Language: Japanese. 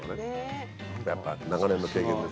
やっぱ長年の経験ですよ。